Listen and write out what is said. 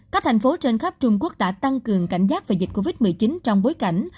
các thành phố trên khắp trung quốc đã tăng cường cảnh giác về dịch covid một mươi chín trong bối cảnh